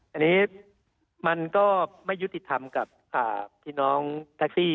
อันนี้มันก็ไม่ยุติธรรมกับพี่น้องแท็กซี่